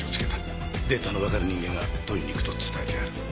データのわかる人間が取りに行くと伝えてある。